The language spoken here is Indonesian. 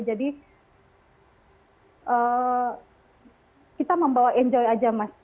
jadi kita membawa enjoy aja mas